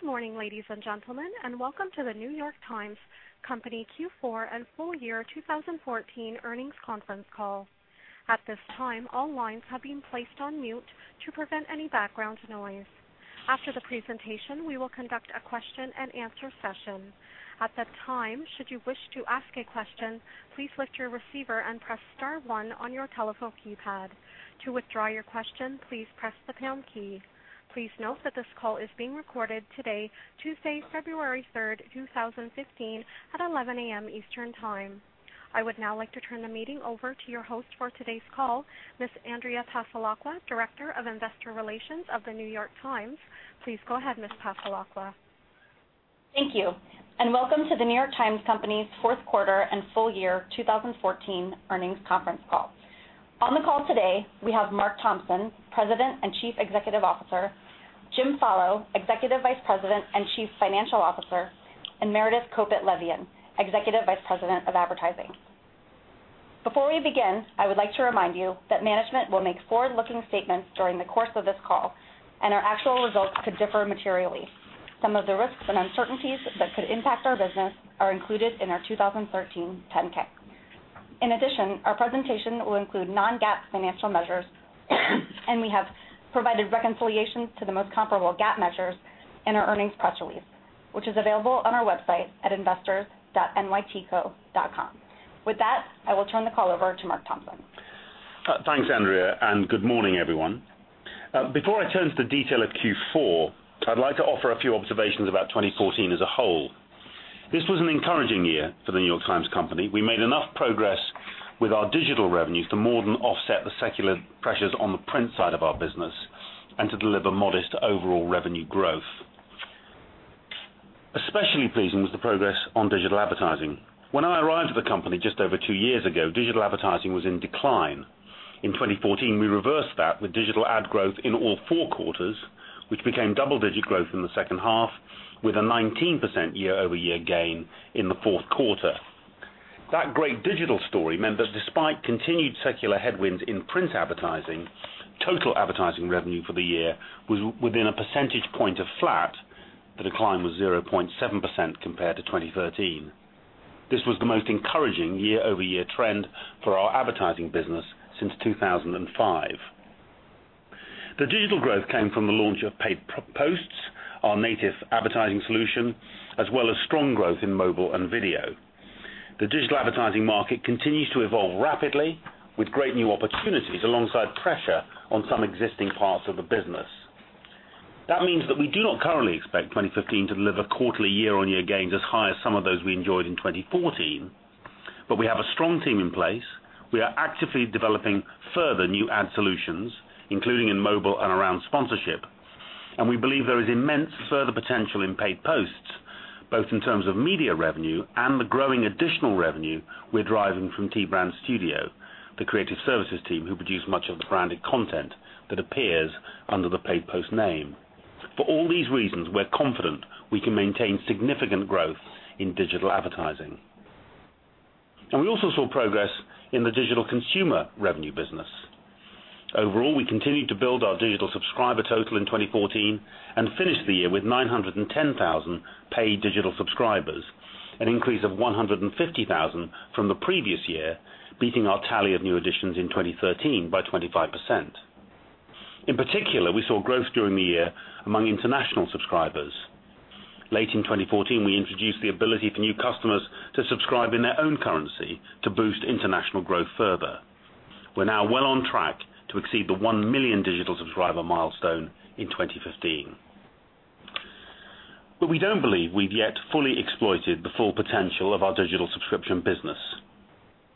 Good morning, ladies and gentlemen, and welcome to The New York Times Company Q4 and Full Year 2014 Earnings Conference Call. At this time, all lines have been placed on mute to prevent any background noise. After the presentation, we will conduct a question-and-answer session. At that time, should you wish to ask a question, please lift your receiver and press star one on your telephone keypad. To withdraw your question, please press the pound key. Please note that this call is being recorded today, Tuesday, February 3rd, 2015, at 11:00A.M. Eastern Time. I would now like to turn the meeting over to your host for today's call, Ms. Andrea Passalacqua, Director of Investor Relations of The New York Times. Please go ahead, Ms. Passalacqua. Thank you, and welcome to The New York Times Company's fourth quarter and full year 2014 earnings conference call. On the call today, we have Mark Thompson, President and Chief Executive Officer, James Follo, Executive Vice President and Chief Financial Officer, and Meredith Kopit Levien, Executive Vice President of Advertising. Before we begin, I would like to remind you that management will make forward-looking statements during the course of this call, and our actual results could differ materially. Some of the risks and uncertainties that could impact our business are included in our 2013 10-K. In addition, our presentation will include non-GAAP financial measures, and we have provided reconciliations to the most comparable GAAP measures in our earnings press release, which is available on our website at investors.nytco.com. With that, I will turn the call over to Mark Thompson. Thanks, Andrea, and good morning, everyone. Before I turn to the details of Q4, I'd like to offer a few observations about 2014 as a whole. This was an encouraging year for The New York Times Company. We made enough progress with our digital revenue to more than offset the secular pressures on the print side of our business and to deliver modest overall revenue growth. Especially pleasing was the progress on digital advertising. When I arrived at the company just over two years ago, digital advertising was in decline. In 2014, we reversed that with digital ad growth in all four quarters, which became double-digit growth in the second half with a 19% year-over-year gain in the fourth quarter. That great digital story meant that despite continued secular headwinds in print advertising, total advertising revenue for the year was within a percentage point of flat. The decline was 0.7% compared to 2013. This was the most encouraging year-over-year trend for our advertising business since 2005. The digital growth came from the launch of Paid Posts, our native advertising solution, as well as strong growth in mobile and video. The digital advertising market continues to evolve rapidly with great new opportunities alongside pressure on some existing parts of the business. That means that we do not currently expect 2015 to deliver quarterly year-over-year gains as high as some of those we enjoyed in 2014. We have a strong team in place. We are actively developing further new ad solutions, including in mobile and around sponsorship, and we believe there is immense further potential in Paid Posts, both in terms of media revenue and the growing additional revenue we're driving from T Brand Studio, the creative services team that produces much of the branded content that appears under the Paid Posts name. For all these reasons, we're confident we can maintain significant growth in digital advertising. We also saw progress in the digital consumer revenue business. Overall, we continued to build our digital subscriber total in 2014 and finished the year with 910,000 paid digital subscribers, an increase of 150,000 from the previous year, beating our tally of new additions in 2013 by 25%. In particular, we saw growth during the year among international subscribers. Late in 2014, we introduced the ability for new customers to subscribe in their own currency to boost international growth further. We're now well on track to exceed the one million digital subscriber milestone in 2015. We don't believe we've yet fully exploited the full potential of our digital subscription business.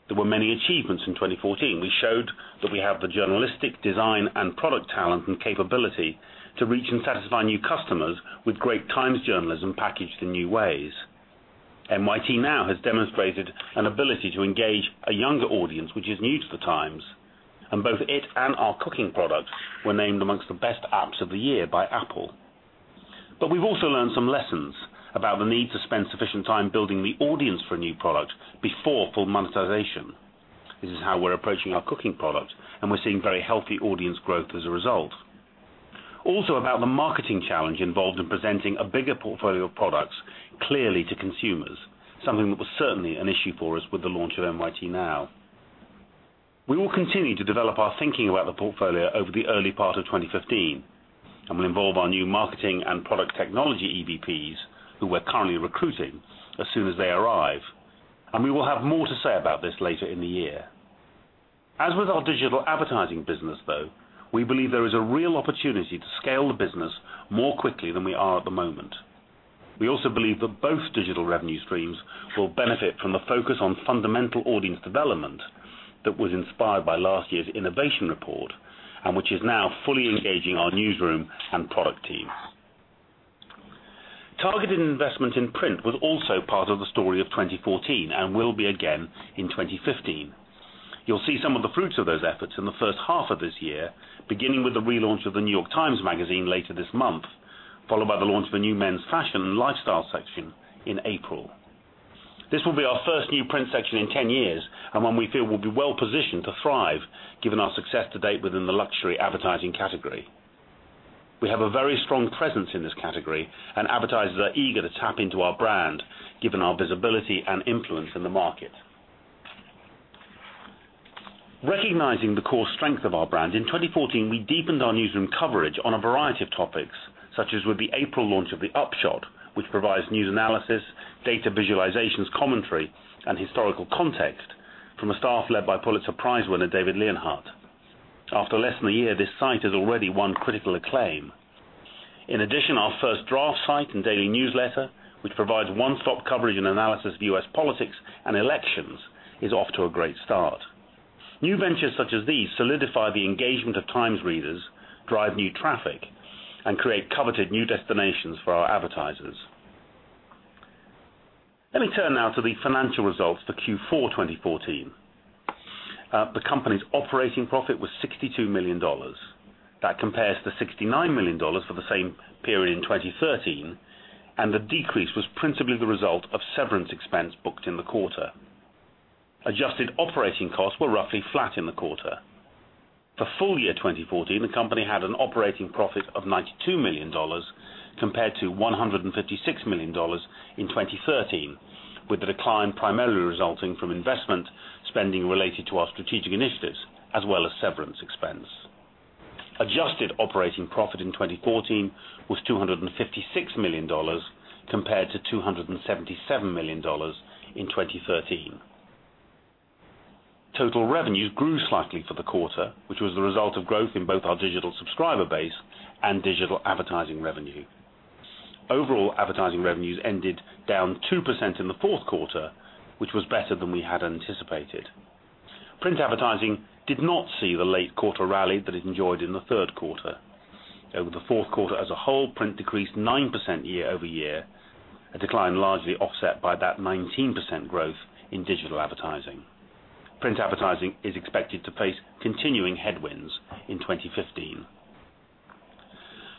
There were many achievements in 2014. We showed that we have the journalistic design and product talent and capability to reach and satisfy new customers with great Times journalism packaged in new ways. NYT Now has demonstrated an ability to engage a younger audience, which is new to The Times, and both it and our cooking products were named among the best apps of the year by Apple. We've also learned some lessons about the need to spend sufficient time building the audience for a new product before full monetization. This is how we're approaching our cooking product, and we're seeing very healthy audience growth as a result. Also, about the marketing challenge involved in presenting a bigger portfolio of products clearly to consumers, something that was certainly an issue for us with the launch of NYT Now. We will continue to develop our thinking about the portfolio over the early part of 2015, and we'll involve our new marketing and product technology EVPs, who we're currently recruiting, as soon as they arrive, and we will have more to say about this later in the year. As with our digital advertising business, though, we believe there is a real opportunity to scale the business more quickly than we are at the moment. We also believe that both digital revenue streams will benefit from the focus on fundamental audience development that was inspired by last year's innovation report and that is now fully engaging our newsroom and product teams. Targeted investment in print was also part of the story of 2014 and will be again in 2015. You'll see some of the fruits of those efforts in the first half of this year, beginning with the relaunch of The New York Times Magazine later this month, followed by the launch of a new men's fashion and lifestyle section in April. This will be our first new print section in 10 years and one we feel will be well-positioned to thrive given our success to date within the luxury advertising category. We have a very strong presence in this category, and advertisers are eager to tap into our brand given our visibility and influence in the market. Recognizing the core strength of our brand, in 2014, we deepened our newsroom coverage on a variety of topics, such as with the April launch of The Upshot, which provides news analysis, data visualizations, commentary, and historical context from a staff led by Pulitzer Prize winner David Leonhardt. After less than a year, this site has already won critical acclaim. In addition, our First Draft site and daily newsletter, which provides one-stop coverage and analysis of U.S. politics and elections, is off to a great start. New ventures such as these solidify the engagement of Times readers, drive new traffic, and create coveted new destinations for our advertisers. Let me turn now to the financial results for Q4 2014. The company's operating profit was $62 million. That compares to $69 million for the same period in 2013, and the decrease was principally the result of severance expense booked in the quarter. Adjusted operating costs were roughly flat in the quarter. For the full year 2014, the company had an operating profit of $92 million, compared to $156 million in 2013, with the decline primarily resulting from investment spending related to our strategic initiatives, as well as severance expense. Adjusted operating profit in 2014 was $256 million, compared to $277 million in 2013. Total revenues grew slightly for the quarter, which was the result of growth in both our digital subscriber base and digital advertising revenue. Overall, advertising revenues ended down 2% in the fourth quarter, which was better than we had anticipated. Print advertising did not see the late quarter rally that it enjoyed in the third quarter. Over the fourth quarter as a whole, print decreased 9% year-over-year, a decline largely offset by that 19% growth in digital advertising. Print advertising is expected to face continuing headwinds in 2015.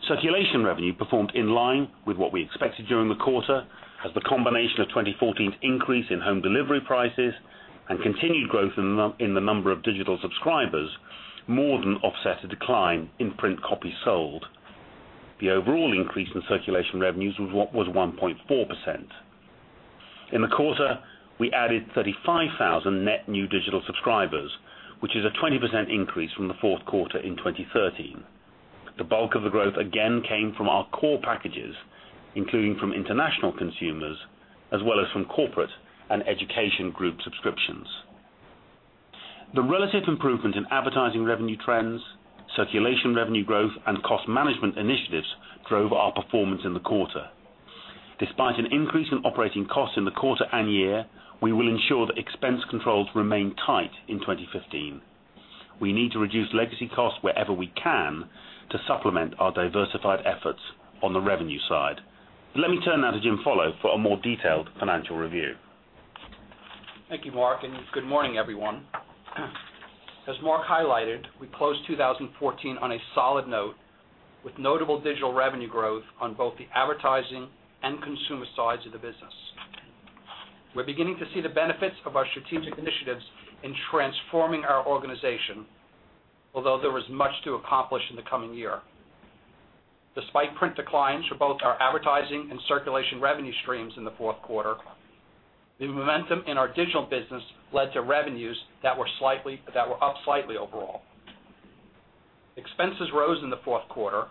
Circulation revenue performed in line with what we expected during the quarter, as the combination of 2014's increase in home delivery prices and continued growth in the number of digital subscribers more than offset a decline in print copies sold. The overall increase in circulation revenues was 1.4%. In the quarter, we added 35,000 net new digital subscribers, which is a 20% increase from the fourth quarter in 2013. The bulk of the growth again came from our core packages, including from international consumers, as well as from corporate and education group subscriptions. The relative improvement in advertising revenue trends, circulation revenue growth, and cost management initiatives drove our performance in the quarter. Despite an increase in operating costs in the quarter and year, we will ensure that expense controls remain tight in 2015. We need to reduce legacy costs wherever we can to supplement our diversified efforts on the revenue side. Let me turn now to James Follo for a more detailed financial review. Thank you, Mark, and good morning, everyone. As Mark highlighted, we closed 2014 on a solid note with notable digital revenue growth on both the advertising and consumer sides of the business. We're beginning to see the benefits of our strategic initiatives in transforming our organization, although there is much to accomplish in the coming year. Despite print declines for both our advertising and circulation revenue streams in the fourth quarter, the momentum in our digital business led to revenues that were up slightly overall. Expenses rose in the fourth quarter,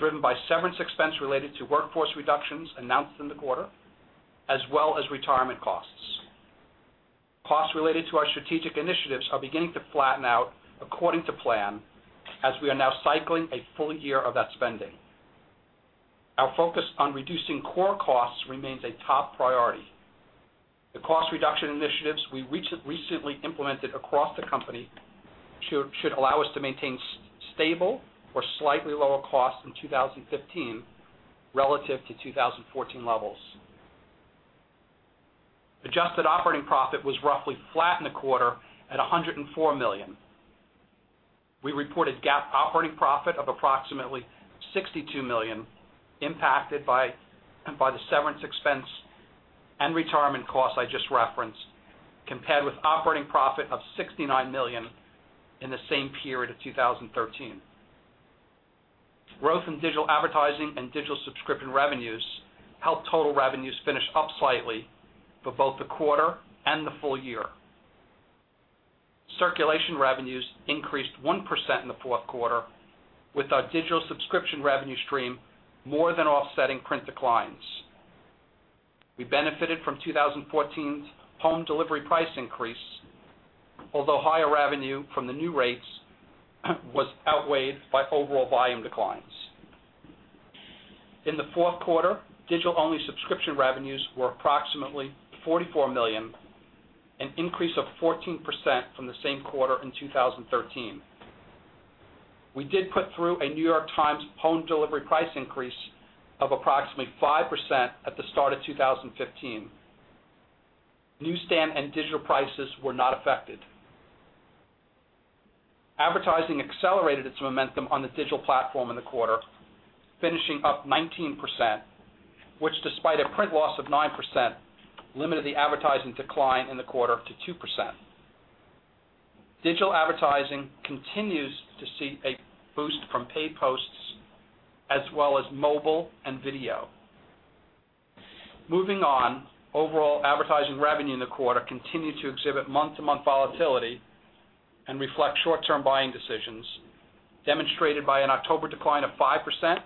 driven by severance expenses related to workforce reductions announced in the quarter, as well as retirement costs. Costs related to our strategic initiatives are beginning to flatten out according to plan, as we are now cycling a full year of that spending. Our focus on reducing core costs remains a top priority. The cost reduction initiatives we recently implemented across the company should allow us to maintain stable or slightly lower costs in 2015 relative to 2014 levels. Adjusted operating profit was roughly flat in the quarter at $104 million. We reported GAAP operating profit of approximately $62 million, impacted by the severance expense and retirement costs I just referenced, compared with an operating profit of $69 million in the same period of 2013. Growth in digital advertising and digital subscription revenues helped total revenues finish up slightly for both the quarter and the full year. Circulation revenues increased 1% in the fourth quarter, with our digital subscription revenue stream more than offsetting print declines. We benefited from 2014's home delivery price increase, although higher revenue from the new rates was outweighed by overall volume declines. In the fourth quarter, digital-only subscription revenues were approximately $44 million, an increase of 14% from the same quarter in 2013. We did put through a New York Times home delivery price increase of approximately 5% at the start of 2015. Newsstand and digital prices were not affected. Advertising accelerated its momentum on the digital platform in the quarter, finishing up 19%, which despite a print loss of 9%, limited the advertising decline in the quarter to 2%. Digital advertising continues to see a boost from Paid Posts, as well as mobile and video. Moving on, overall advertising revenue in the quarter continued to exhibit month-to-month volatility and reflect short-term buying decisions, demonstrated by an October decline of 5%,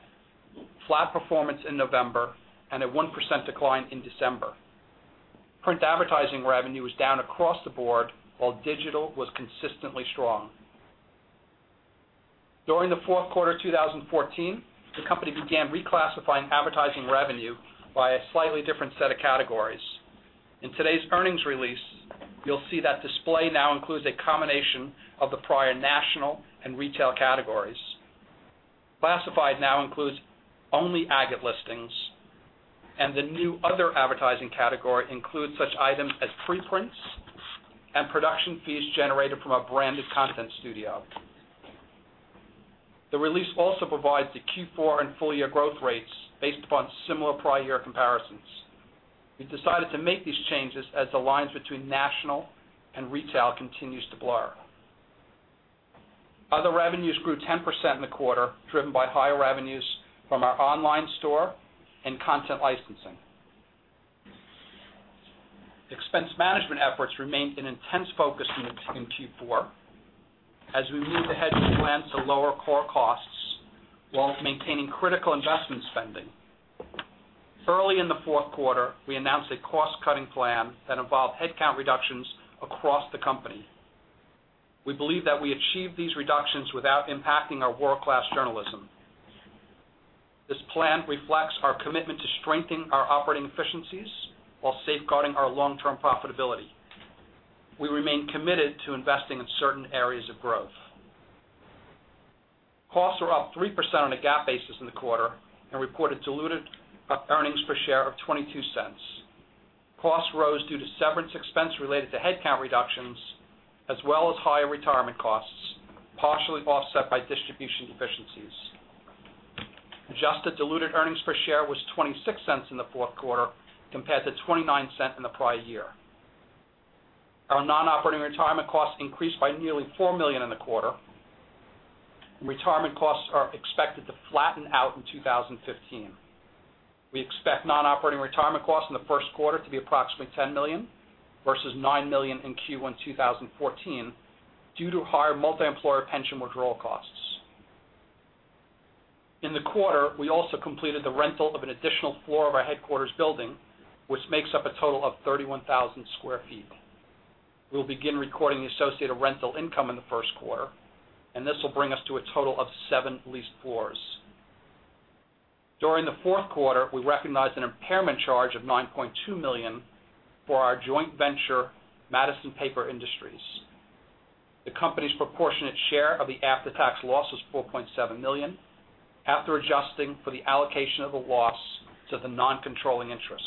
flat performance in November, and a 1% decline in December. Print advertising revenue was down across the board, while digital was consistently strong. During the fourth quarter 2014, the company began reclassifying advertising revenue by a slightly different set of categories. In today's earnings release, you'll see that display now includes a combination of the prior national and retail categories. Classified now includes only agate listings, and the new other advertising category includes such items as preprints and production fees generated from our branded content studio. The release also provides the Q4 and full-year growth rates based upon similar prior-year comparisons. We decided to make these changes as the lines between national and retail continue to blur. Other revenues grew 10% in the quarter, driven by higher revenues from our online store and content licensing. Expense management efforts remained an intense focus in Q4 as we moved ahead with plans to lower core costs while maintaining critical investment spending. Early in the fourth quarter, we announced a cost-cutting plan that involved headcount reductions across the company. We believe that we achieved these reductions without impacting our world-class journalism. This plan reflects our commitment to strengthening our operating efficiencies while safeguarding our long-term profitability. We remain committed to investing in certain areas of growth. Costs are up 3% on a GAAP basis in the quarter and reported diluted earnings per share of $0.22. Costs rose due to severance expenses related to headcount reductions, as well as higher retirement costs, partially offset by distribution efficiencies. Adjusted diluted earnings per share was $0.26 in the fourth quarter compared to $0.29 in the prior year. Our non-operating retirement costs increased by nearly $4 million in the quarter, and retirement costs are expected to flatten out in 2015. We expect non-operating retirement costs in the first quarter to be approximately $10 million versus $9 million in Q1 2014 due to higher multi-employer pension withdrawal costs. In the quarter, we also completed the rental of an additional floor of our headquarters building, which makes up a total of 31,000sq ft. We'll begin recording the associated rental income in the first quarter, and this will bring us to a total of seven leased floors. During the fourth quarter, we recognized an impairment charge of $9.2 million for our joint venture, Madison Paper Industries. The company's proportionate share of the after-tax loss was $4.7 million after adjusting for the allocation of the loss to the non-controlling interest.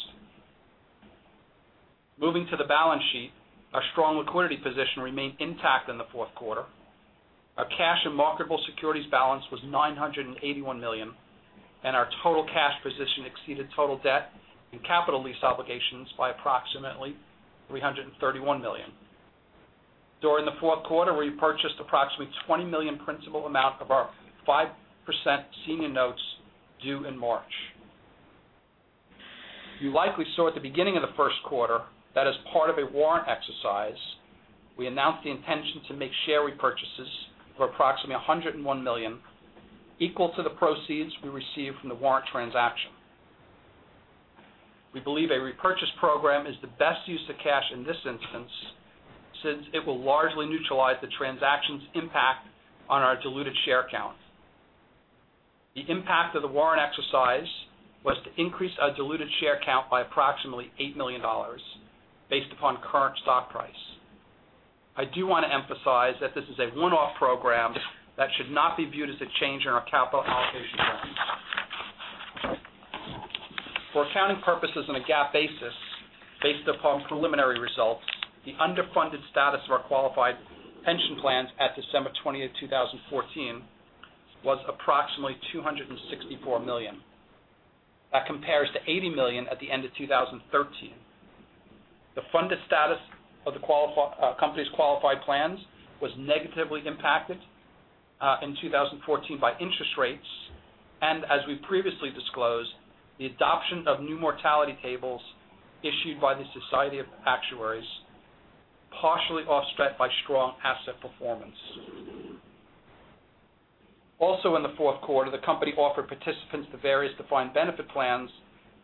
Moving to the balance sheet, our strong liquidity position remained intact in the fourth quarter. Our cash and marketable securities balance was $981 million, and our total cash position exceeded total debt and capital lease obligations by approximately $331 million. During the fourth quarter, we repurchased approximately a $20 million principal amount of our 5% senior notes due in March. You likely saw at the beginning of the first quarter that as part of a warrant exercise, we announced the intention to make share repurchases of approximately $101 million, equal to the proceeds we received from the warrant transaction. We believe a repurchase program is the best use of cash in this instance, since it will largely neutralize the transaction's impact on our diluted share count. The impact of the warrant exercise was to increase our diluted share count by approximately eight million based upon current stock price. I do want to emphasize that this is a one-off program that should not be viewed as a change in our capital allocation plan. For accounting purposes on a GAAP basis, based upon preliminary results, the underfunded status of our qualified pension plans at December 20th, 2014, was approximately $264 million. That compares to $80 million at the end of 2013. The funded status of the company's qualified plans was negatively impacted in 2014 by interest rates and, as we previously disclosed, the adoption of new mortality tables issued by the Society of Actuaries, partially offset by strong asset performance. Also in the fourth quarter, the company offered participants of the various defined benefit plans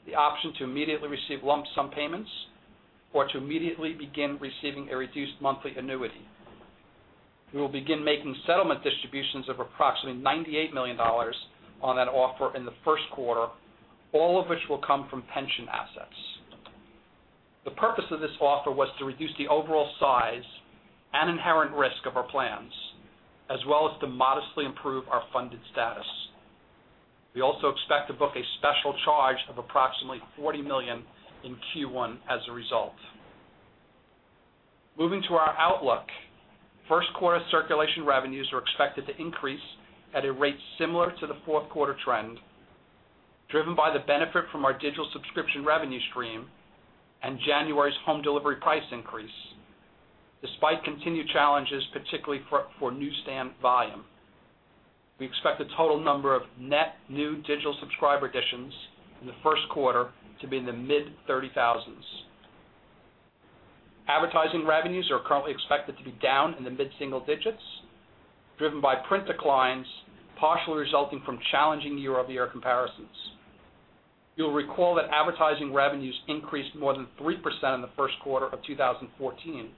the option to immediately receive lump-sum payments or to immediately begin receiving a reduced monthly annuity. We will begin making settlement distributions of approximately $98 million on that offer in the first quarter, all of which will come from pension assets. The purpose of this offer was to reduce the overall size and inherent risk of our plans, as well as to modestly improve our funded status. We also expect to book a special charge of approximately $40 million in Q1 as a result. Moving to our outlook, first quarter circulation revenues are expected to increase at a rate similar to the fourth quarter trend, driven by the benefit from our digital subscription revenue stream and January's home delivery price increase, despite continued challenges, particularly for newsstand volume. We expect the total number of net new digital subscriber additions in the first quarter to be in the mid-30,000s. Advertising revenues are currently expected to be down in the mid-single digits, driven by print declines, partially resulting from challenging year-over-year comparisons. You'll recall that advertising revenues increased more than 3% in the first quarter of 2014,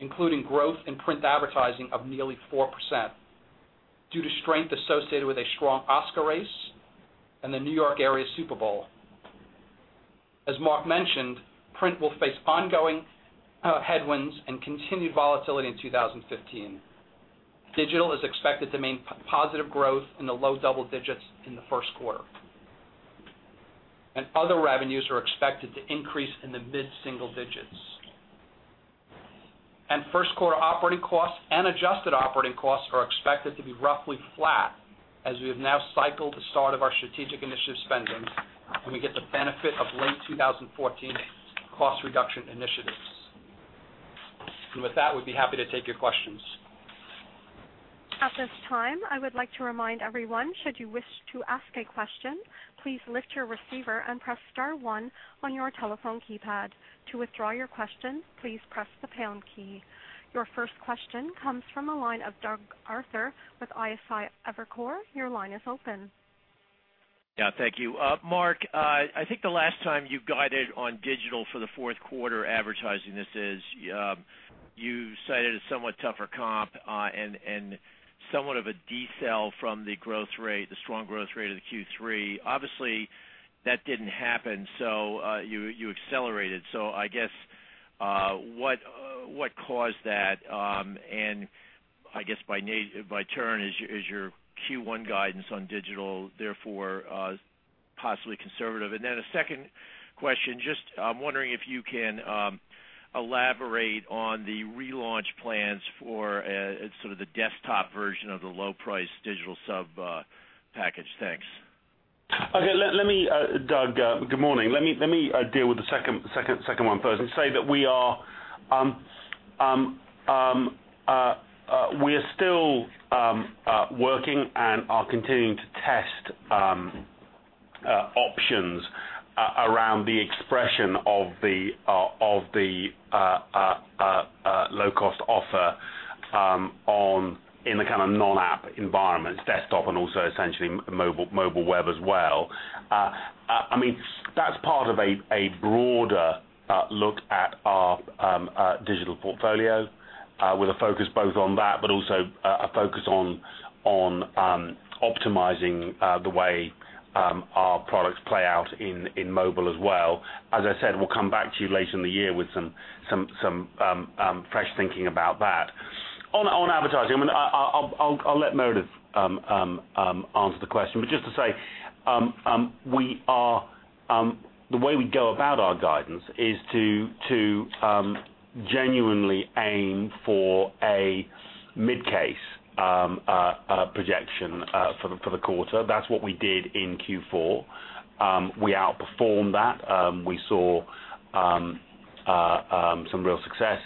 including growth in print advertising of nearly 4%, due to strength associated with a strong Oscar race and the New York area's Super Bowl. As Mark mentioned, print will face ongoing headwinds and continued volatility in 2015. Digital is expected to maintain positive growth in the low double digits in the first quarter. Other revenues are expected to increase in the mid-single digits. First quarter operating costs and adjusted operating costs are expected to be roughly flat as we have now cycled the start of our strategic initiative spending, and we get the benefit of late 2014 cost reduction initiatives. With that, we'd be happy to take your questions. At this time, I would like to remind everyone, should you wish to ask a question, please lift your receiver and press star one on your telephone keypad. To withdraw your question, please press the pound key. Your first question comes from the line of Doug Arthur with Evercore ISI. Your line is open. Yeah, thank you. Mark, I think the last time you guided on digital for the fourth quarter advertising, you cited a somewhat tougher comp and somewhat of a decel from the strong growth rate of Q3. Obviously, that didn't happen. You accelerated. I guess, what caused that? I guess by turn, is your Q1 guidance on digital, therefore possibly conservative? A second question: I'm just wondering if you can elaborate on the relaunch plans for sort of the desktop version of the low-price digital sub package? Thanks. Okay. Doug, good morning. Let me deal with the second one first and say that we are still working and are continuing to test options around the expression of the low-cost offer in the kind of non-app environments, desktop, and also essentially mobile web as well. That's part of a broader look at our digital portfolio, with a focus both on that and also a focus on optimizing the way our products play out in mobile as well. As I said, we'll come back to you later in the year with some fresh thinking about that. On advertising, I'll let Meredith answer the question. Just to say, the way we go about our guidance is to genuinely aim for a mid-case projection for the quarter. That's what we did in Q4. We outperformed that. We saw some real success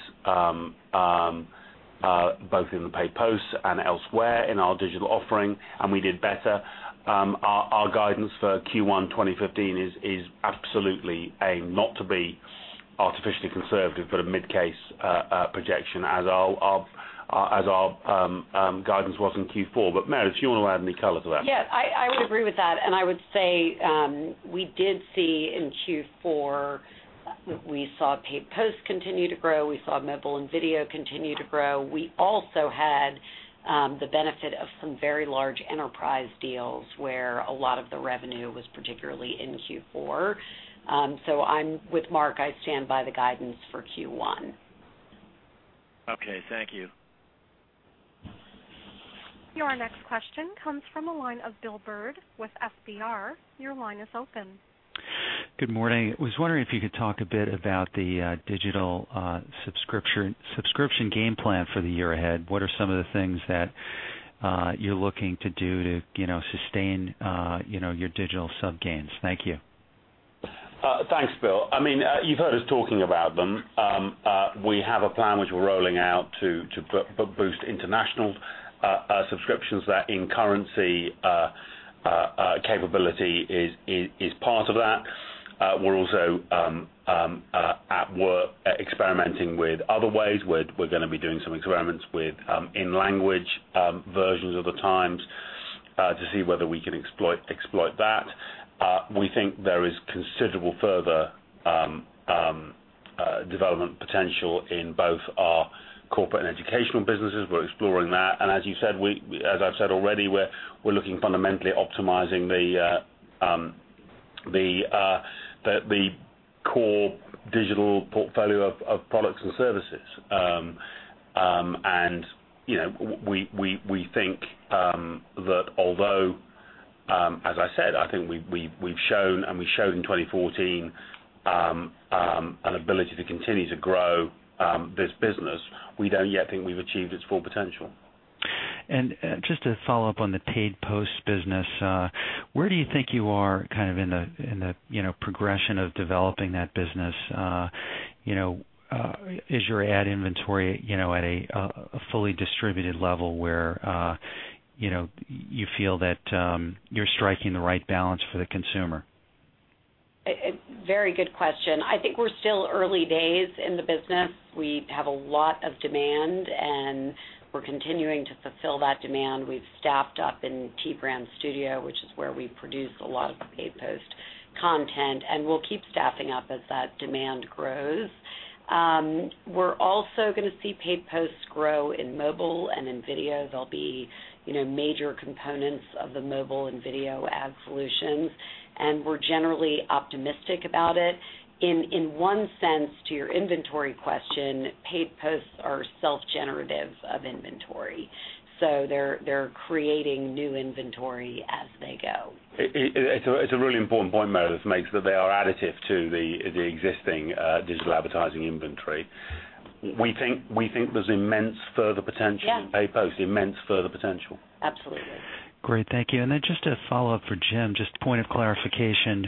both in the Paid Posts and elsewhere in our digital offering, and we did better. Our guidance for Q1 2015 is absolutely aimed not to be artificially conservative, but a mid-case projection, as our guidance was in Q4. Meredith, do you want to add any color to that? Yes, I would agree with that. I would say we did see in Q4; we saw Paid Posts continue to grow. We saw mobile and video continue to grow. We also had the benefit of some very large enterprise deals where a lot of the revenue was particularly in Q4. I'm with Mark. I stand by the guidance for Q1. Okay, thank you. Your next question comes from the line of Bill Bird with FBR. Your line is open. Good morning. I was wondering if you could talk a bit about the digital subscription game plan for the year ahead. What are some of the things that you're looking to do to sustain your digital sub gains? Thank you. Thanks, Bill. You've heard us talking about them. We have a plan, which we're rolling out to boost international subscriptions. That in-currency capability is part of that. We're also at work experimenting with other ways. We're going to be doing some experiments with in-language versions of the Times to see whether we can exploit that. We think there is considerable further development potential in both our corporate and educational businesses. We're exploring that. As I've said already, we're looking fundamentally at optimizing the core digital portfolio of products and services. We think that although, as I said, I think we've shown, and we showed in 2014, an ability to continue to grow this business, we don't yet think we've achieved its full potential. Just to follow up on the Paid Posts business, where do you think you are in the progression of developing that business? Is your ad inventory at a fully distributed level where you feel that you're striking the right balance for the consumer? Very good question. I think we're still early days of the business. We have a lot of demand, and we're continuing to fulfill that demand. We've staffed up in T Brand Studio, which is where we produce a lot of the Paid Posts content, and we'll keep staffing up as that demand grows. We're also going to see Paid Posts grow in mobile and in video. They'll be major components of the mobile and video ad solutions, and we're generally optimistic about it. In one sense, to your inventory question, Paid Posts are self-generative of inventory. They're creating new inventory as they go. It's a really important point Meredith makes: that they are additive to the existing digital advertising inventory. We think there's immense further potential in Paid Posts. Yeah. Immense further potential. Absolutely. Great, thank you. Just a follow-up for James, just a point of clarification.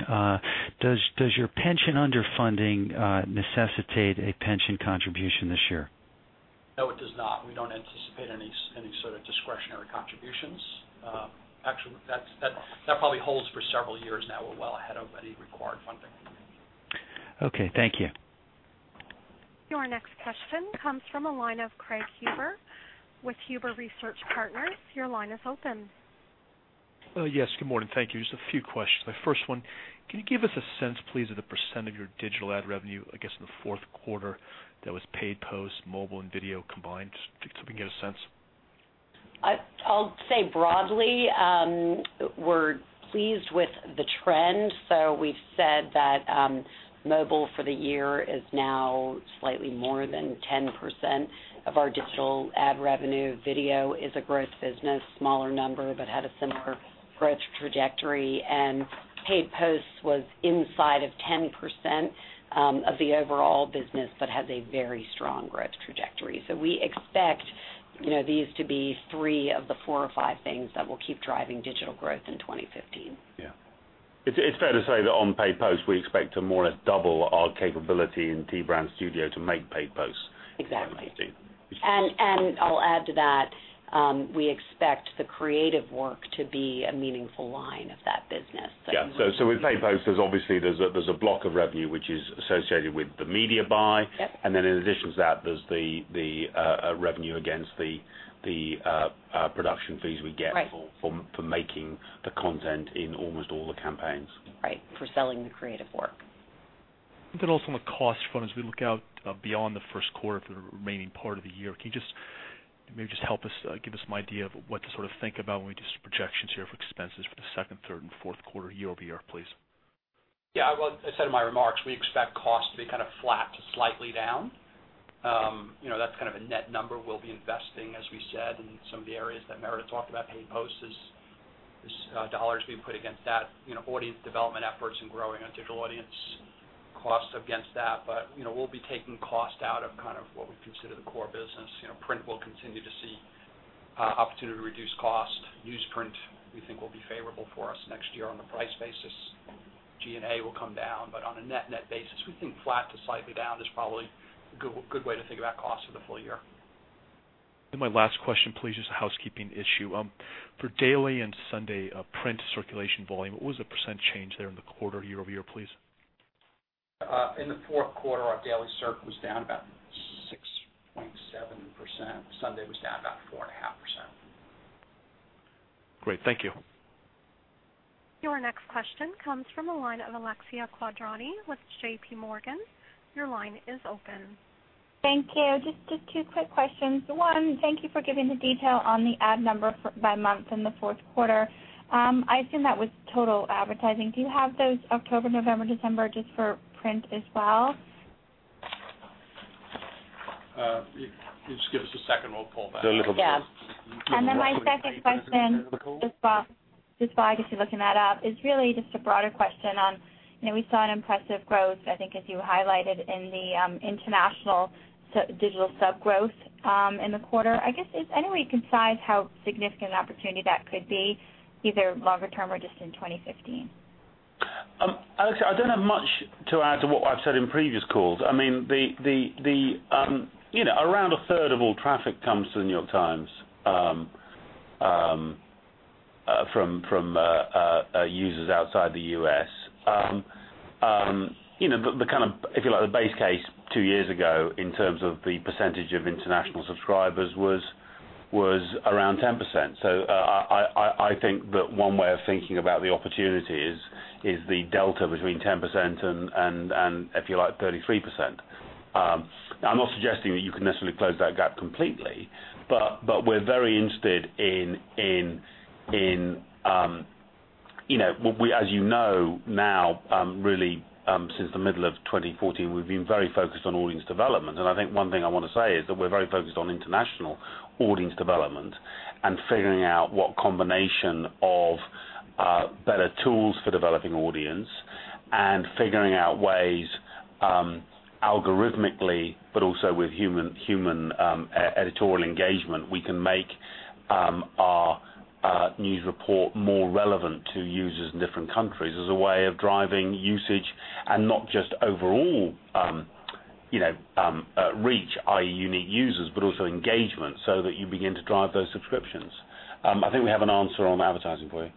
Does your pension underfunding necessitate a pension contribution this year? No, it does not. We don't anticipate any sort of discretionary contributions. Actually, that probably holds for several years now. We're well ahead of any required funding. Okay, thank you. Your next question comes from the line of Craig Huber with Huber Research Partners. Your line is open. Yes, good morning. Thank you. Just a few questions. The first one, can you give us a sense, please, of the percentage of your digital ad revenue, I guess, in the fourth quarter that was Paid Posts, mobile, and video combined, just so we can get a sense? I'll say broadly we're pleased with the trend. We've said that mobile for the year is now slightly more than 10% of our digital ad revenue. Video is a growth business, a smaller number, but had a similar growth trajectory. Paid Posts was inside of 10% of the overall business but have a very strong growth trajectory. We expect these to be three of the four or five things that will keep driving digital growth in 2015. Yeah. It's fair to say that on Paid Posts, we expect to more or less double our capability in T Brand Studio to make Paid Posts in 2015. Exactly. I'll add to that; we expect the creative work to be a meaningful line of that business. Yeah. With Paid Posts, obviously there's a block of revenue that is associated with the media buy. Yep. In addition to that, there's the revenue against the production fees we get. Right... for making the content in almost all the campaigns. Right, for selling the creative work. On the cost front, as we look out beyond the first quarter for the remaining part of the year, can you maybe just help us and give us an idea of what to think about when we do projections here for expenses for the second, third, and fourth quarters year-over-year, please? Yeah. Well, as I said in my remarks, we expect costs to be kind of flat to slightly down. That's kind of a net number. We'll be investing, as we said, in some of the areas that Meredith talked about, Paid Posts. There are dollars being put against that. Audience development efforts and growing our digital audience cost against that. We'll be taking cost out of what we consider the core business. Print, and we'll continue to see an opportunity to reduce cost. Newsprint, we think, will be favorable for us next year on the price basis. G&A will come down. On a net basis, we think flat to slightly down is probably a good way to think about cost for the full year. My last question, please, is just a housekeeping issue. For daily and Sunday print circulation volume, what was the percentage change there in the quarter, year-over-year, please? In the fourth quarter, our daily circ was down about 6.7%. Sunday was down about 4.5%. Great. Thank you. Your next question comes from the line of Alexia Quadrani with J.P. Morgan. Your line is open. Thank you. Just two quick questions. One, thank you for giving the detail on the ad number by month in the fourth quarter. I assume that was total advertising. Do you have those for October, November, and December just for print as well? If you just give us a second, we'll pull that up. Yeah, a little bit. Yeah. My second question, just while I guess you're looking that up, is really just a broader question on the impressive growth I think you highlighted in the international digital sub growth in the quarter. I guess, is there any way you can size how significant an opportunity that could be, either long-term or just in 2015? Alexia, I don't have much to add to what I've said in previous calls. Around a third of all traffic comes to The New York Times from users outside the U.S. The base case two years ago in terms of the percentage of international subscribers was around 10%. I think that one way of thinking about the opportunity is the delta between 10% and, if you like, 33%. Now I'm not suggesting that you can necessarily close that gap completely, but we're very interested in. As you know now, really since the middle of 2014, we've been very focused on audience development. I think one thing I want to say is that we're very focused on international audience development and figuring out what combination of better tools for developing audience and figuring out ways algorithmically, but also with human editorial engagement, we can make our news report more relevant to users in different countries as a way of driving usage and not just overall reach, i.e., unique users, but also engagement so that you begin to drive those subscriptions. I think we have an answer on advertising for you.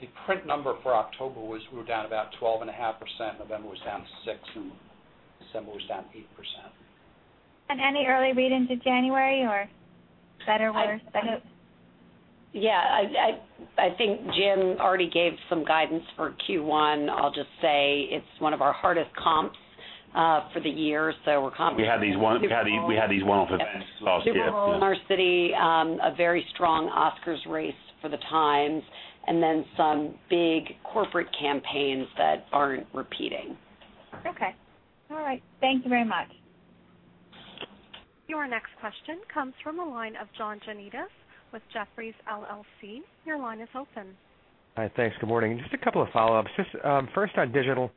The print number for October was down about 12.5%, November was down 6%, and December was down 8%. Any early reads into January, or better, worse? Yeah, I think Jim already gave some guidance for Q1. I'll just say it's one of our hardest comps for the year. We're comping- We had these one-off events last year. Super Bowl, [MetLife Stadium], a very strong Oscars race for the Times, and then some big corporate campaigns that aren't repeating. Okay. All right. Thank you very much. Your next question comes from the line of John Janedis with Jefferies LLC. Your line is open. Hi. Thanks. Good morning. Just a couple of follow-ups. Just first on digital,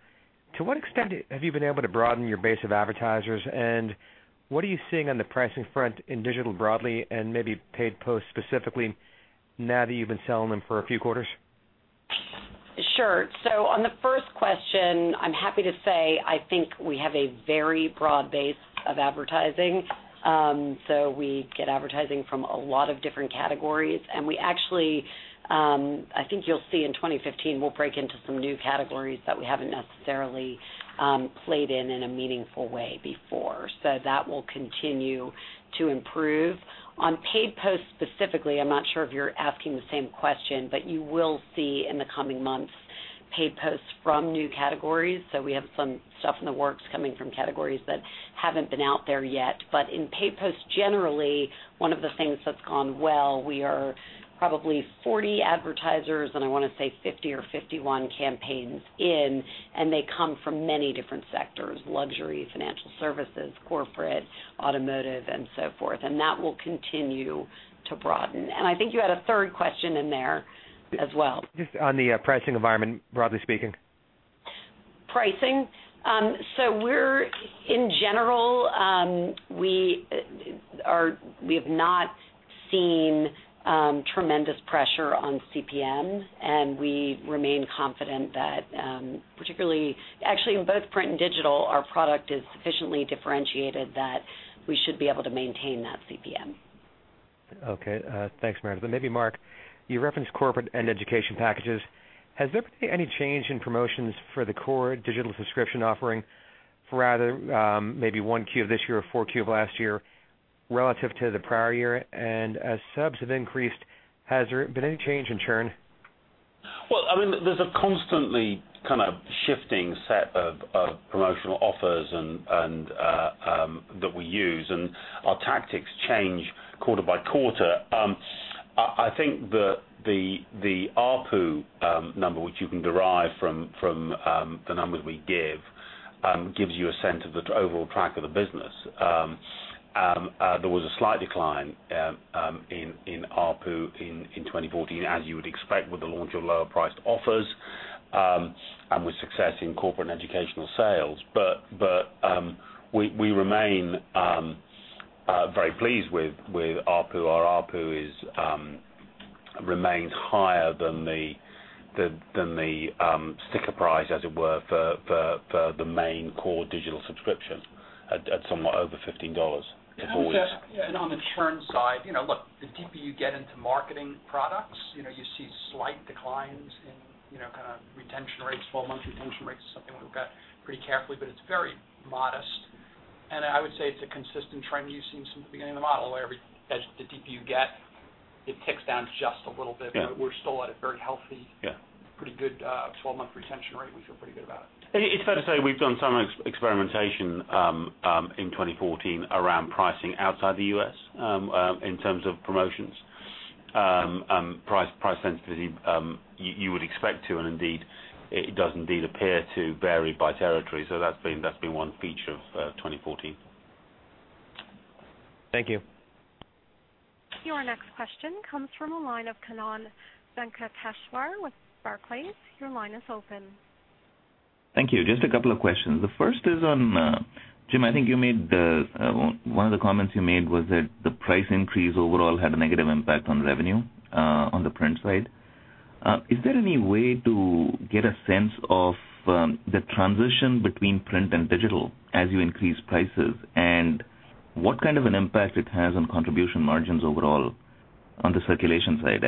to what extent have you been able to broaden your base of advertisers, and what are you seeing on the pricing front in digital broadly and maybe Paid Posts specifically now that you've been selling them for a few quarters? Sure. On the first question, I'm happy to say I think we have a very broad base of advertising. We get advertising from a lot of different categories. We actually, I think you'll see in 2015, will break into some new categories that we haven't necessarily played in in a meaningful way before. That will continue to improve. On Paid Posts specifically, I'm not sure if you're asking the same question, but you will see in the coming months Paid Posts from new categories. We have some stuff in the works coming from categories that haven't been out there yet. In Paid Posts, generally, one of the things that's gone well is we are probably 40 advertisers and I want to say 50 or 51 campaigns in, and they come from many different sectors: luxury, financial services, corporate, automotive, and so forth. That will continue to broaden. I think you had a third question in there as well. Just on the pricing environment, broadly speaking. Pricing? In general, we have not seen tremendous pressure on CPM, and we remain confident that, particularly, actually, in both print and digital, our product is sufficiently differentiated that we should be able to maintain that CPM. Okay, thanks, Meredith. Maybe Mark, you referenced corporate and educational packages. Has there been any change in promotions for the core digital subscription offering for either maybe 1Q of this year or 4Q of last year relative to the prior year? As subs have increased, has there been any change in churn? Well, I mean, there's a constantly kind of shifting set of promotional offers that we use, and our tactics change quarter by quarter. I think the ARPU number, which you can derive from the numbers we give, gives you a sense of the overall track of the business. There was a slight decline in ARPU in 2014, as you would expect with the launch of lower-priced offers and with success in corporate and educational sales. We remain very pleased with ARPU. Our ARPU remains higher than the sticker price, as it were, for the main core digital subscriptions at somewhat over $15. On the churn side, look, the deeper you get into marketing products, you see slight declines in kind of retention rates; 12-month retention rates are something we've got pretty carefully, but it's very modest. I would say it's a consistent trend you've seen since the beginning of the model, whereas the deeper you get, it ticks down just a little bit. Yeah. We're still very healthy. Yeah Pretty good 12-month retention rate. We feel pretty good about it. It's fair to say we've done some experimentation in 2014 around pricing outside the U.S. in terms of promotions. Price sensitivity, you would expect to, and indeed, it does indeed appear to vary by territory. That's been one feature of 2014. Thank you. Your next question comes from the line of Kannan Venkateshwar with Barclays. Your line is open. Thank you. Just a couple of questions. The first is on, James. I think one of the comments you made was that the price increase overall had a negative impact on revenue on the print side. Is there any way to get a sense of the transition between print and digital as you increase prices and what kind of an impact it has on contribution margins overall on the circulation side?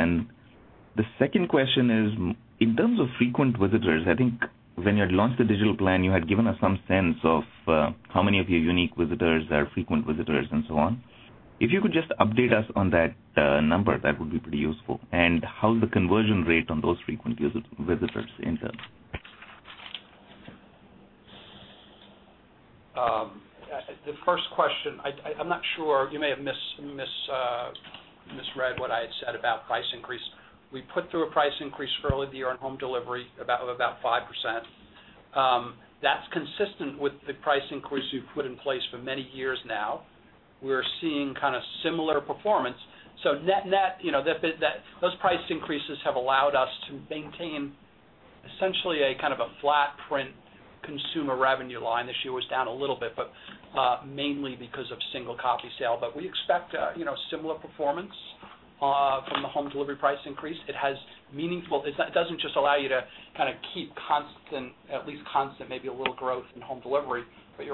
The second question is, in terms of frequent visitors, I think when you launched the digital plan, you had given us some sense of how many of your unique visitors are frequent visitors and so on. If you could just update us on that number, that would be pretty useful. How's the conversion rate on those frequent visitors in terms? The first question, I'm not sure; you may have misread what I had said about the price increase. We put through a price increase early in the year on home delivery of about 5%. That's consistent with the price increase we've put in place for many years now. We're seeing kind of similar performance. Net net, those price increases have allowed us to maintain essentially kind of a flat print consumer revenue line. This year was down a little bit, but mainly because of single-copy sales. We expect similar performance from the home delivery price increase. It doesn't just allow you to kind of keep constant, at least constant, or maybe a little growth in home delivery. There's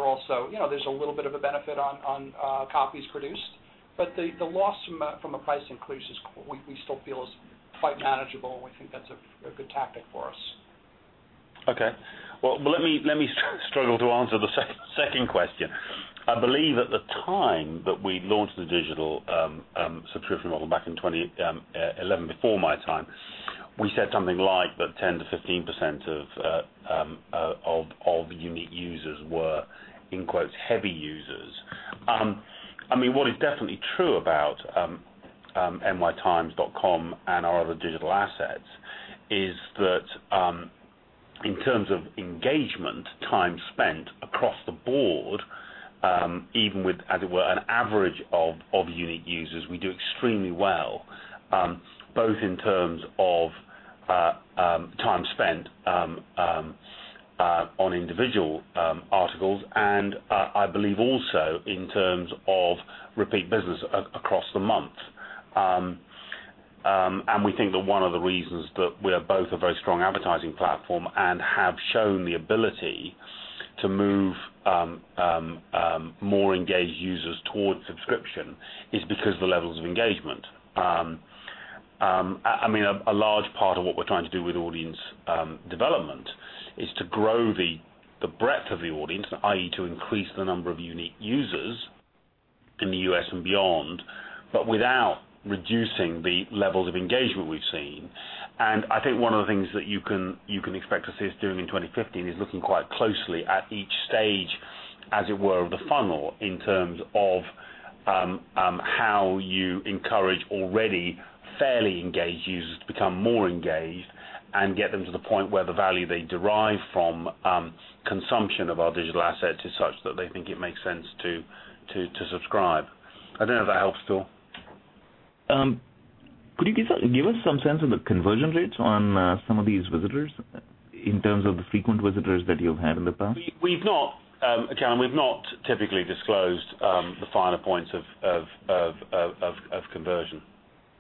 a little bit of a benefit on copies produced. The loss from a price increase, we still feel, is quite manageable, and we think that's a good tactic for us. Okay. Well, let me struggle to answer the second question. I believe at the time that we launched the digital subscription model back in 2011, before my time, we said something like that 10%-15% of unique users were, in quotes, heavy users. I mean, what is definitely true about nytimes.com and our other digital assets is that, in terms of engagement, time spent across the board, even with, as it were, an average of unique users, we do extremely well, both in terms of time spent on individual articles and, I believe, also in terms of repeat business across the month. We think that one of the reasons that we are both a very strong advertising platform and have shown the ability to move more engaged users towards subscription is because of the levels of engagement. I mean, a large part of what we're trying to do with audience development is to grow the breadth of the audience, i.e., to increase the number of unique users in the U.S. and beyond, but without reducing the levels of engagement we've seen. I think one of the things that you can expect to see us doing in 2015 is looking quite closely at each stage, as it were, of the funnel in terms of how you encourage already fairly engaged users to become more engaged. Get them to the point where the value they derive from consumption of our digital assets is such that they think it makes sense to subscribe. I don't know if that helps. [inaudible] Could you give us some sense of the conversion rates on some of these visitors in terms of the frequent visitors that you've had in the past? Again, we've not typically disclosed the finer points of conversion.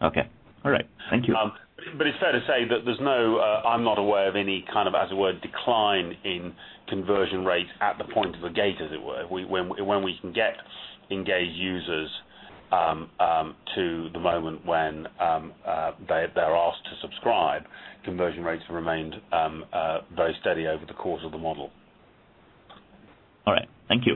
Okay. All right. Thank you. It's fair to say that there's no, I'm not aware of any kind of, as a word, decline in conversion rates at the point of a gate, as it were. When we can get engaged users to the moment when they're asked to subscribe, conversion rates have remained very steady over the course of the model. All right. Thank you.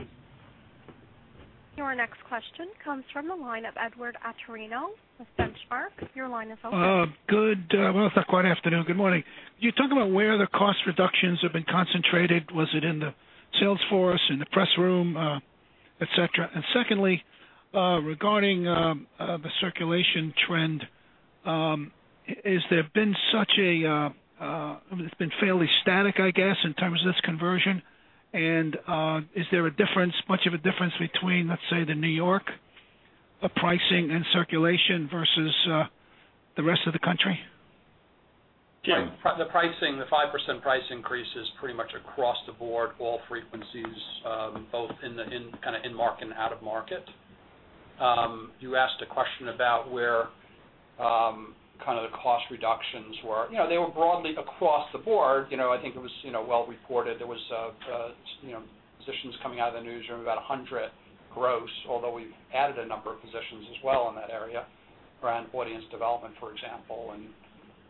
Your next question comes from the line of Edward Atorino with Benchmark. Your line is open. Good, well, it's not quite afternoon yet. Good morning. You talk about where the cost reductions have been concentrated. Was it in the sales force, in the press room, et cetera? Secondly, regarding the circulation trend, has there been such a—I mean, it's been fairly static, I guess, in terms of this conversion, and is there much of a difference between, let's say, the New York pricing and circulation versus the rest of the country? Yeah. The pricing, the 5% price increase, is pretty much across the board, all frequencies, both in the kind of in-market and out-of-market. You asked a question about where the kind of cost reductions were. They were broad across the board. I think it was well reported there were positions coming out of the newsroom, about 100 gross, although we've added a number of positions as well in that area, around audience development, for example, and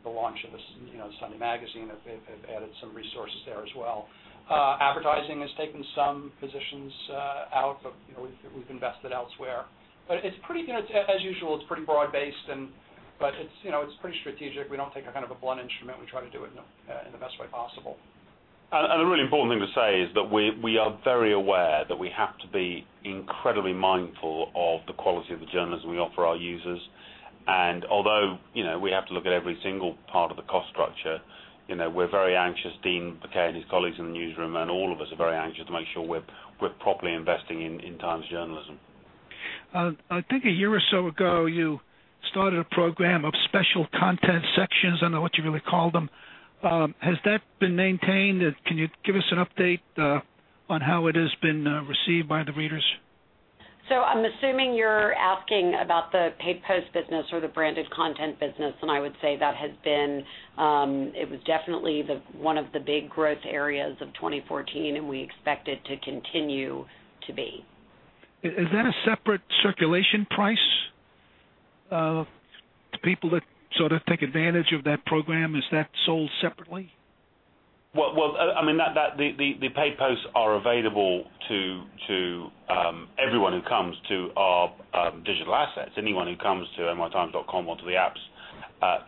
the launch of the Sunday magazine. They've added some resources there as well. Advertising has taken some positions out, but we've invested elsewhere. As usual, it's pretty broad-based, but it's pretty strategic. We don't take kind of a blunt instrument. We try to do it in the best way possible. The really important thing to say is that we are very aware that we have to be incredibly mindful of the quality of the journalism we offer our users. Although we have to look at every single part of the cost structure, we're very anxious, Dean Baquet and his colleagues in the newsroom, and all of us are very anxious to make sure we're properly investing in Times' journalism. I think a year or so ago, you started a program of special content sections. I don't know what you really call them. Has that been maintained? Can you give us an update on how it has been received by the readers? I'm assuming you're asking about the Paid Posts business or the branded content business, and I would say that has been. It was definitely one of the big growth areas of 2014, and we expect it to continue to be. Is that a separate circulation price to people that sort of take advantage of that program? Is that sold separately? Well, I mean, the Paid Posts are available to everyone who comes to our digital assets; anyone who comes to nytimes.com or to the apps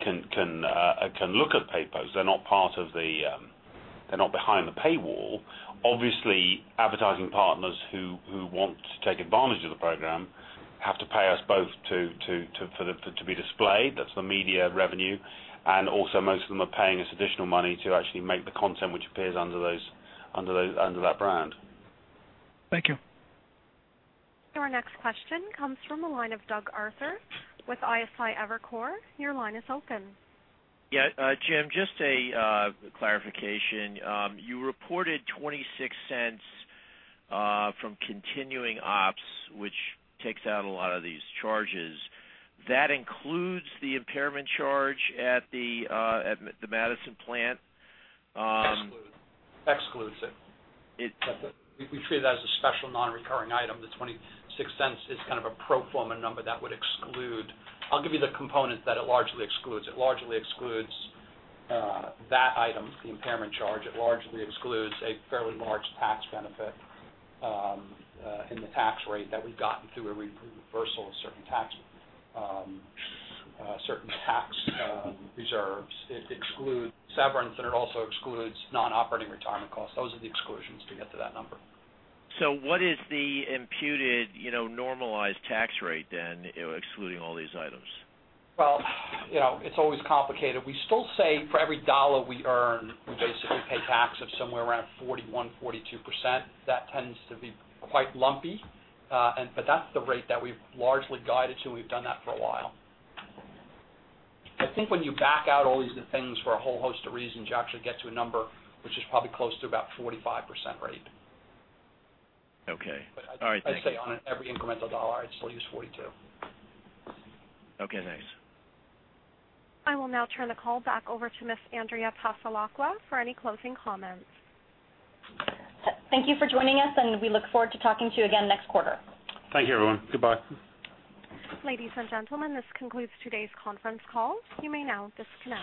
can look at Paid Posts. They're not behind the paywall. Obviously, advertising partners who want to take advantage of the program have to pay us both to be displayed; that's the media revenue, and also most of them are paying us additional money to actually make the content that appears under that brand. Thank you. Our next question comes from the line of Doug Arthur with Evercore ISI. Your line is open. Yeah, James, just a clarification. You reported $0.26 from continuing ops, which takes out a lot of these charges. That includes the impairment charge at the Madison plant? Excludes it. It- We treat it as a special non-recurring item. The $0.26 is kind of a pro forma number that would exclude. I'll give you the components that it largely excludes. It largely excludes that item, the impairment charge; it largely excludes a fairly large tax benefit in the tax rate that we've gotten through a reversal of certain tax reserves. It excludes severance, and it also excludes non-operating retirement costs. Those are the exclusions to get to that number. What is the imputed normalized tax rate then, excluding all these items? Well, it's always complicated. We still say for every dollar we earn, we basically pay tax of somewhere around 41%, 42%. That tends to be quite lumpy. That's the rate that we've largely guided to, and we've done that for a while. I think when you back out of all these things for a whole host of reasons, you actually get to a number which is probably close to about a 45% rate. Okay. All right. Thank you. I'd say on every incremental dollar, I'd still use 42%. Okay, thanks. I will now turn the call back over to Ms. Andrea Passalacqua for any closing comments. Thank you for joining us, and we look forward to talking to you again next quarter. Thank you, everyone. Goodbye. Ladies and gentlemen, this concludes today's conference call. You may now disconnect.